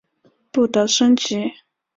不得升级。